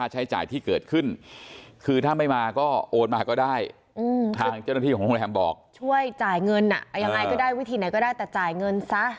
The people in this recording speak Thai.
ช่วยจ่ายเงินยังไงก็ได้วิธีไหนก็ได้แต่จ่ายเงินซะ